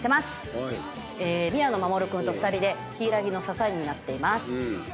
宮野真守君と２人で柊木の支えになっています。